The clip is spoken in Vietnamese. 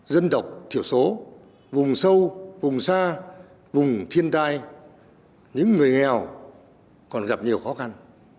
dân tộc thiểu số vùng sâu vùng xa vùng thiên tai những người nghèo còn gặp nhiều khó khăn